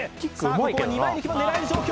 ここは２枚抜きも狙える状況